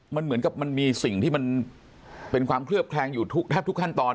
มันเหมือนกับมันมีสิ่งที่มันเป็นความเคลือบแคลงอยู่แทบทุกขั้นตอน